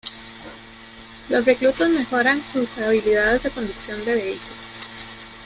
Los reclutas mejoran sus habilidades de conducción de vehículos.